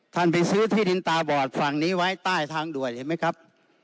ไปซื้อที่ดินตาบอดฝั่งนี้ไว้ใต้ทางด่วนเห็นไหมครับ